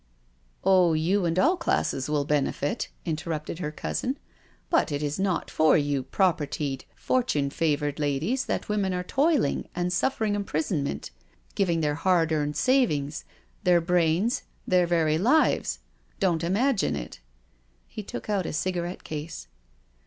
*'" Oh, you and all classes will benefit," interrupted her cousin, " but it is not for you propertied, fortune favoured ladies that women are toiling and suffering imprisonment, giving their hard earned savings, their brains, their very lives— don't imagine it." He took out a cigarette case.